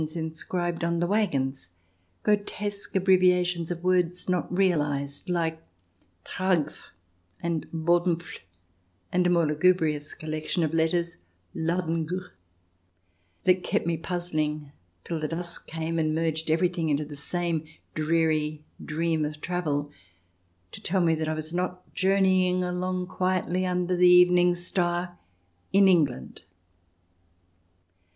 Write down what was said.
II] HAREM SKIRTS 19 inscribed on waggons — grotesque abbreviations of words not realized, like Tragf , and Bodenfl , and a more lugubrious collection of letters, Ladengew — that kept me puzzling till the dusk came and merged everything into the same dreary dream of travel, to tell me that I was not journeying along quietly under the evening star in England.